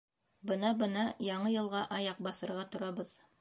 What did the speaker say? Бына-бына яңы йылға аяҡ баҫырға торабыҙ.